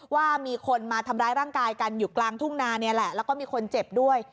ว่ามีคนมาทำร้ายร่างกายกันอยู่กลางทุ่งนานี่แหละแล้วก็มีคนเจ็บด้วย